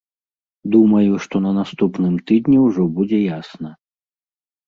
Думаю, што на наступным тыдні ўжо будзе ясна.